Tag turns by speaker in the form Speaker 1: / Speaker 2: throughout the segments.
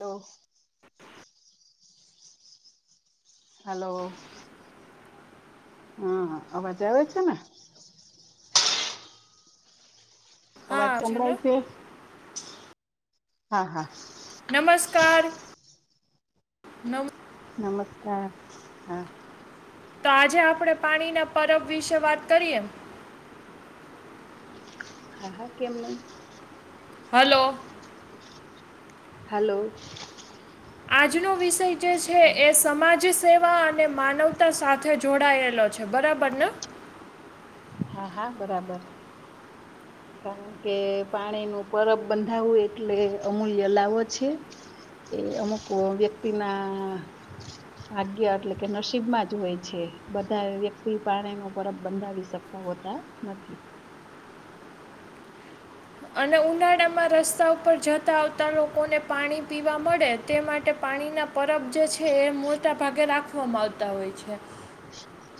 Speaker 1: તો
Speaker 2: [inaudible]
Speaker 1: હલો હા, અવાજ આવે છેને. અવાજ
Speaker 2: હા ને
Speaker 1: સંંભળાય છે. હા, હા
Speaker 2: નમસ્કાર, નમ
Speaker 1: નમસ્કાર, હા.
Speaker 2: તો આજે આપણે પાણીના, પરબ વિશે વાત કરીએ
Speaker 1: હા હા, કેમ નહી.
Speaker 2: હલો
Speaker 1: હલો
Speaker 2: આજનો વિષય જે છે, એ સમાજ સેવા અને માનવતા સાથે જોડાયેલો છે, બરાબર ને
Speaker 1: હા, હા બરાબર કારણ કે પાણી નું પરબ બંધાવવું એટલે અમૂલ્ય લાવો છે. એ અમુક, વ્યક્તિ ના ભાગ્ય એટલે કે નસીબમાં જ હોય છે, બધા વ્યક્તિ પાણી ન પરબ બંધાવી શક હોતા, નથી.
Speaker 2: અને ઉનાળામા રસ્તા ઉપર જતા, આવતા લોકોને પાણી પીવા મળે તે માટે પાણી પાણીના પરબ જે છે, એ મોટા ભાગે રાખવામાં આવતા હોય છે.
Speaker 1: [unintelligible]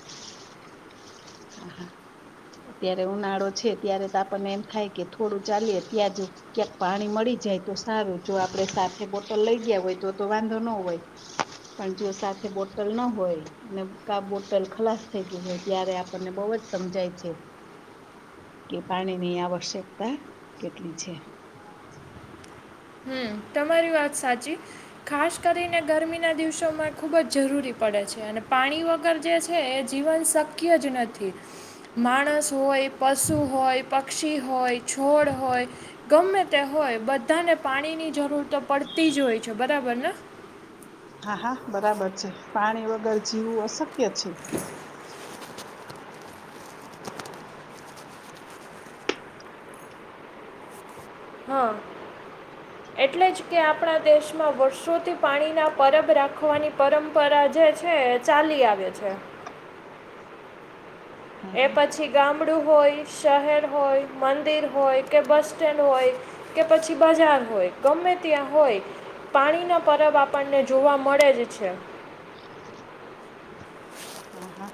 Speaker 1: અત્યારે ઉનાળો છે, ત્યારે તો આપણને એમ થાય કે થોડું ચાએ ત્યાં જ ક્યાંક પાણી મળી જાય તો સારું, જો આપડે સાથે બોટલ લઇ ગયા હોય, તો તો વાંધો ન હોય. પણ જો સાથે બોટલ ના હોય અને ક બોટલ ખલાસ થઈ, ગય હોય, ત્યારે આપણને બહ જ સમજાય છે કે પાણીની, આવશ્યકતા કેટલી છે.
Speaker 2: હમ, તમારી વાત સાચી ખાસ કરીને ગરમીના દિવસોમાં ખુબજ જરૂરી પડે પડે છે, અને પાણી વગર જે છે, એ જીવન શક્ય જ નથી. માણસ, હોય. પશુ હોય, પક્ષી હોય, છોડ હોય, ગમે તે હોય બધાને પાણી ની જરૂર તો પડતી જ હોય છે બરાબર ને
Speaker 1: હા હા બરાબર છે પાણી વગર જીવું અશક્ય છે.
Speaker 2: હા. એટલે જ કે આપણા દેશમાં વર્ષોથી પાણીના પરબ રાખવાની પરંપરા જે છે ચાલી આવે છે.
Speaker 1: [inaudible] હા
Speaker 2: એ
Speaker 1: હા
Speaker 2: પછી ગામ ડું હોય શહેર હોય મંદિર હોય કે બસ સ્ટેન્ડ હોય કે પછી બજાર હોય ગમે ત્યાં હોય પાણી ના પરબ આપણને જોવા મળે જ છે.
Speaker 1: હા હા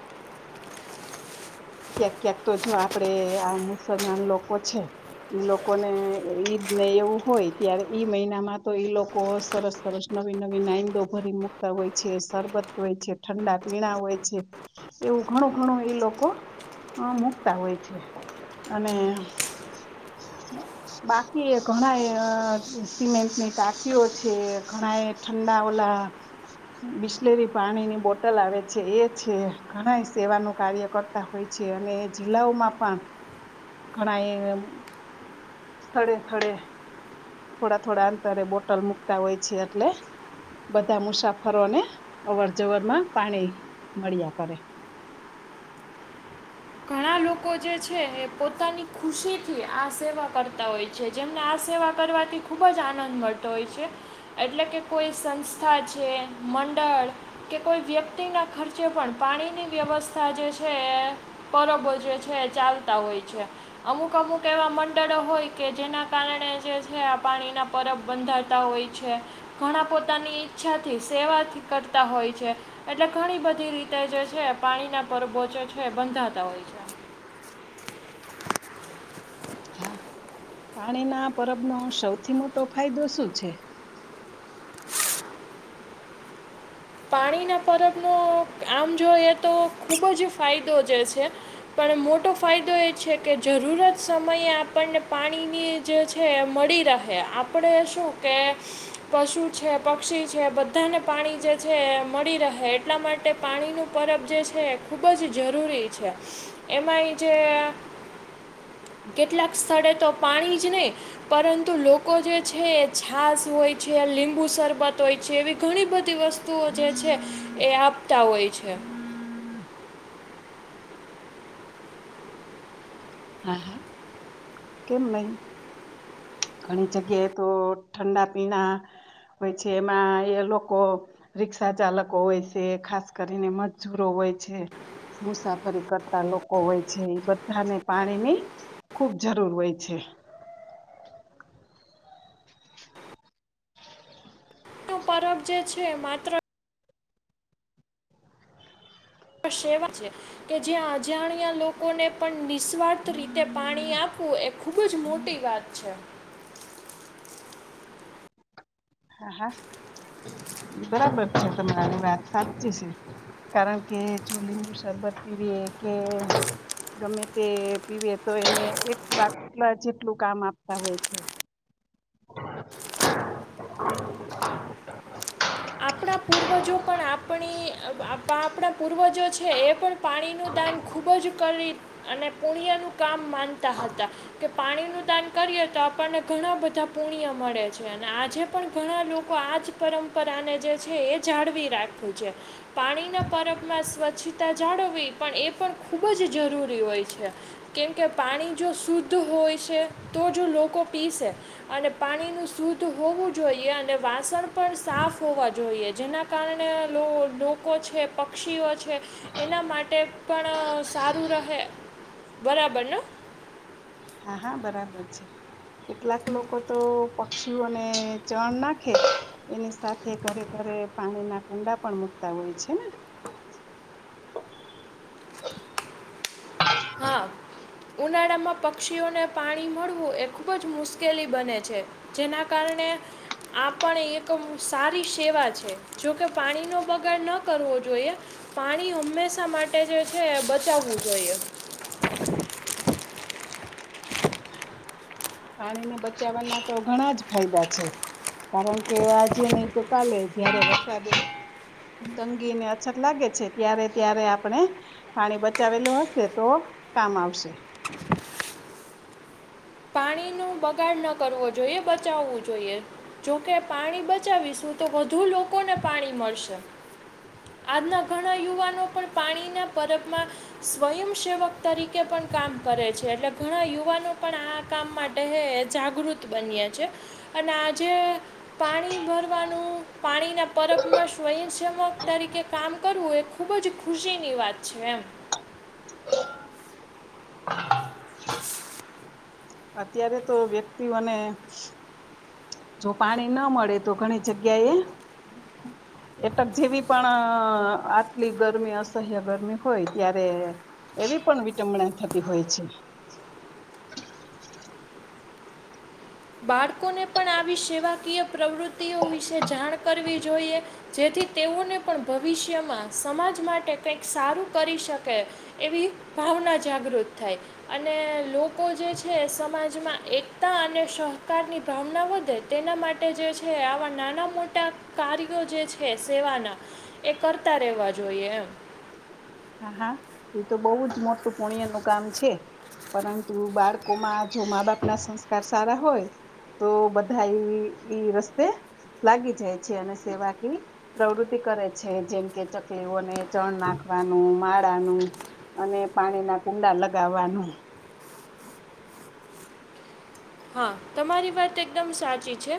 Speaker 1: ક્યાંક ક્યાંક તો જો આપડે આ મુસલમાન લોકો છે. ઈ લોકોને ઈદ ને એવું હોય ત્યારે ઈ મહિનામાં તો ઈ લોકો સરસ સરસ નવી નવી નાઈંદો ભરી મુક્તા હોય છે શરબત હોય છે ઠંડા પીણા હોય છે એવું ઘણું ઘણું એ લોકો હા મૂકતા હોય છે અને બાકી ઘણા એ સિમેન્ટની ટાંકીઓ છે ઘણા એ ઠંડા ઓલા બિસ્લેરી પાણી ની બોટલ આવે છે એ છે ઘણાય સેવાનું કાર્ય કર તા હોય છે અને એ જિલ્લાઓમાં પણ ઘણા એ સ્થળે થળે થોડા થોડા અંતરે બોટલ મુકતા હોય છે એટલે બધા મુસાફરોને અવર જવરમાં પાણી મળ્યા કરે. [inaudible]
Speaker 2: ઘણા લોકો જે છે એ પોતાની ખુશી થી આ સેવા કરતા હોય છે જેમને આ સેવા કરવાથી ખુબ જ આનંદ મળતો હોય છે. એટલે કે કોઈ સંસ્થા છે મંડળ કે કોઈ વ્યક્તિ ના ખર્ચે પણ પાણીની વ્યવસ્થા જે છે એ પરબો જે છે એ ચાલતા હોય છે અમુક અમુક એવા મંડળો હોય કે જેના કારણે જે છે પાણી ના પરબ બંધારતા હોય છે ઘણા પોતાની ઈચ્છા થી સેવા થી કરતા હોય છે એટલે ઘણી બધી રીતે જે છે પાણી ના પરબોચો છે બંધા તા હોઈ છે.
Speaker 1: હા પાણીના પરબનો સૌથી મોટો ફાયદો શું છે
Speaker 2: પાણીના પરબનો આમ જોઈએ તો ખુબ જ ફાયદો જે છે પણ મોટો ફાયદો એ છે કે જરૂરત સમયે આપણને પાણીની જે છે મળી રહે આપણે શું કે પશુ છે પક્ષી છે બધાને પાણી જે છે મળી રહે એટલા માટે પાણીનું પરબ જે છે એ ખૂબ જ જરૂરી છે. એમાં એ જે
Speaker 1: [inaudible]
Speaker 2: કેટલાક સ્થળે તો પાણી જ નહીં પરંતુ લોકો જે છે એ છાસ હોય છે લીંબુ શરબત હોય છે એવી ઘણી બધી વસ્ તુઓ જે છે એ આપતા હોય છે.
Speaker 1: હ હ કેમ નઈ ઘણી જગ્યાએ તો ઠંડા પીણા હોય છે એમાં એ લોકો રિક્ષા ચાલકો હોય છે ખાસ કરીને મજૂરો હો ય છે મુસાફરી કરતા લોકો હોય છે એ બધાને પાણીની ખુબ જરૂર હોય છે.
Speaker 2: નું પરબજે છે માત્ર સેવા છે કે જ્યાં અજાણ્યા લોકોને પણ નિસ્વાર્થ રીતે પાણી આપ વુ એ ખુબ જ મોટી વાત છે.
Speaker 1: [inaudible] હા હા બરાબર છે તમારી વાત સાચી છે કારણ કે તે લીંબુ શરબત, પીવે કે ગમે તે પીવે, તો એને એક આટલા, જેટલું કામ આપતા હોય છે.
Speaker 2: આપણા પૂર્વજો પણ આપણી આપણા પૂર્વજો છે. એ પણ પાણીનું દાન ખૂબ જ કરી અને પુડ્યનુ કામ માનતા હતા, કે પાણી નું દાન કરીએ તો આપણને ઘણા બધા પુણ્ય મળે છે, અને આજે પણ ઘણા લોકો આજ પરંપરાને જે એ જાળવી રાખું છે, પાણીના પરતમાં સ્વચ્છતા જાળવવી પણ એ પણ ખૂબ જ જરૂરી હોય છે, કેમ કે પાણી જો શુદ્ધ હોય છે તો જો લોકો પીસે અને પાણીનું શુદ્ધ હોવુ, જોઈએ અને વાસણ પણ સાફ હોવા, જોઈએ જોઈએ જેના કારણે લોકો છે, પક્ષીઓ છે, એના માટે પણ સારુ રહે, બરાબર ને
Speaker 1: હા, હા બરાબર છે. કેટલાક લોકો, તો પક્ષીઓને ચણ નાખે એની સાથે ઘરે, ઘર પાણીના કુંડા પણ મુકતા હોય, છેને
Speaker 2: હા ઉનાળામા પક્ષીઓને પાણી મળવું એ ખુબ જ મુશ્કેલી બને છે, જેના કારણે અને આપ એક સારી સેવા છે, જોકે પાણી નો બગાડ ન કરવો જોઈએ પાણી હમેશા માટે જે છે, બચાવવું જોઈએ
Speaker 1: પાણીને બચાવવાના, તો ઘણા જ ફાયદા છે. કારણ કે આજે નહી, તો કાલે જયારે વરસાદ તંગીને અછત લાગે છે, ત્યારે ત્યારે આપણે પાણી બચાવેલું હશે તો કામ, આવશે
Speaker 2: પાણી નુ બગાડ ન કરવો, જોઈએ બચાવવું જોઈએ. જોકે પાણી બચાવીશું, તો વધુ લોકોને પાણી મળશે આજના, ઘણા યુવાનો પણ પાણીના પરતમાં સ્વયંસેવક તરીકે પણ કામ કરે છે, એટલે ઘણા યુવાનો પણ આ કામ માટે હ જાગૃત બનએ છે, અને આજે પાણી ભરવાનું પાણીના પરબ માં સ્વયં છે. તરીકે કામ કરવું, એ ખૂબ જ ખુશીની વાત છે, એમ
Speaker 1: અત્યારે, તો વ્યક્તિઓને જો પાણી, ના મળે તો ઘણી જગ્યાએ એટક જેવી પણ આટલી ગરમી અસહ્ય ગરમી હોય, ત્યારે એવી પણ વિટમણા થતી, હોય છે.
Speaker 2: બાળકોને પણ આવી સેવાકીય પ્રવૃતિઓ વિશે જાણ કરવી જોઈએ, જેથી. તેઓને પણ ભવિષ્યમાં સમાજ, માટે કંઈક સારું કરી શકે એવી ભાવના જાગૃત થાય અને લોકો જે છે, સમાજમાં એકતા અને સહ કારની ભાવના વધે તેના માટે જે છે, આવા નાના મોટા કાર્યો જે છે. એ કરતા રહેેવા જોઈએ, એમ
Speaker 1: હા, હા એ તો બહુજ મોટુ પુણ્ય નું કામ છે. પરંતુ બાળકોમા જો, મા બાપ ના સંસ્કાર સારા હોય. તો બધા એ ઈ, રસ્તે લાગી જાય છે, અને સેવાકી પ્રવૃત્તિ કરે છે, જેમ કે ચકલીઓને ચણ નાખવા માળાનું, અને પાણી ના કુંડા લગાવવાનું
Speaker 2: હા, તમારી વાત એકદમ સાચી છે.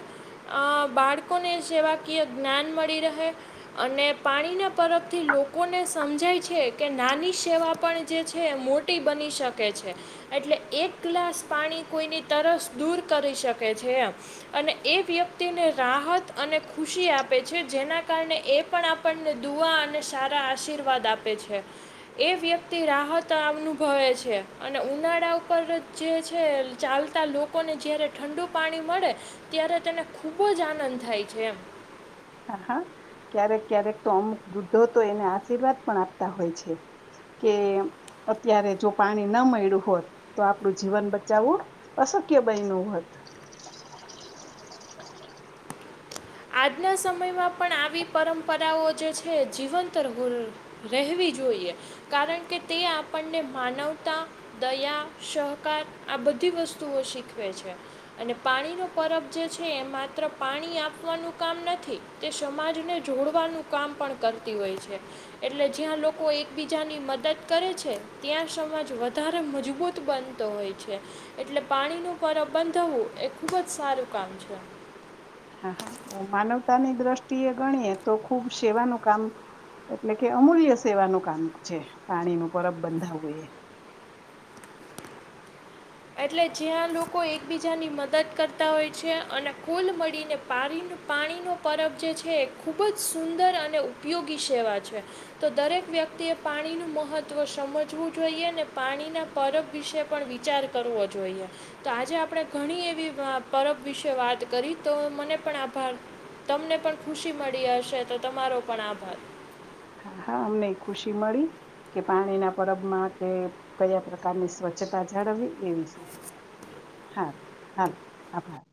Speaker 2: અ બાળકોને, સેવાકીય જ્ઞાન મળી રહે અને પાણીના પરતથી લોકોને સમજાય છે, કે નાની સેવા પણ જે છે મોટી બની શકે છે. એટલે એક, ગ્લાસ પાણી કોઈની તરસ દૂર કરી શકે છે, અને એ વ્યક્તિને રાહત અને ખુશી આપ આપ છે, જેના કારણે એ પણ આપણને દુઆ અને સારા આશીર્વાદ આપે છે. એ વ્યક્તિ રાહત અનુભવે છે, અને ઉનાળા ઉપર જે છે, ચાલતી તા લોકોને જ્યારે ઠંડુ પાણી મળે ત્યારે તેને ખૂબ જ આનંદ થાય છે, એમ
Speaker 1: હા, હા ક્યારેક ક્યારેક તો અમુક બૃદ્ધો તો એને આશીર્વાદ પણ આપતા હોય, છે. કે અત્યારે જો પાણી ન મળ્યું હોત, તો આપડું જીવન બચાવવું શક્ય બાઈ, ન હોત.
Speaker 2: આજના સમયમાં પણ આવી પરંપરાઓ જે છે, જીવંતર રહેવી. જોઈએ કારણ, કે તે આપણને માનવતા દયા સહકાર આ બધ બધી વસ્તુઓ શીખવે છે, અને પાણીનો પરબ જે છે, એ માત્ર પાણી આપ નુ કામ નથી, તે સમાજને જોડવાનું કામ પણ કરતી હોય છે, એટલે જ્યા લોકો એકબીજાની મદદ કરે છે, ત્યાં સમાજ વધારે મજબૂત બનતો હોય છે. એટલે પાણીનુ પર બંધવું એ ખુબ જ સારું કામ છે.
Speaker 1: [inaudible] માનવતાની દ્રષ્ટિ એ ગણીએ, તો ખુબ સેવાનું કામ એટલે કે અમૂલ્ય સેવાનું કામ છે, પાણી ન પરબ બંધાવવું એ [inaudible]
Speaker 2: એટલે જ્યાં લોકો એકબીજાની મદદ કરતા હોય છે, અને કુલ મળીને પાણી પાણીનો પરબ જે છે, એ ખૂબજ સુંદર અને ઉપયોગી સેવા છે, તો દરેક વ્યક્તિએ પાણીનું મહત્વ સમજવું જોઈએ, ને પાણીના પરબ વિશે પણ વિચાર કર કરવો જોઈએ, તો આજે આપણે ઘણી એવી પરબ વિશે વાત કરી તો મને પણ તમને, પણ ખુશી મળી હશે તો તમારો પણ આભાર
Speaker 1: હા હા, અમને ખુશી મળી કે પાણી ના પરબમા કે કયા પ્રકારની સ્વચ્છતા, જાણી એ હા, હ આભાર